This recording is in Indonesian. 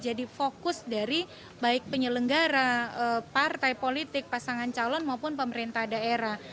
jadi kita fokus dari baik penyelenggara partai politik pasangan calon maupun pemerintah daerah